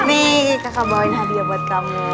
ini kakak bawain hadiah buat kamu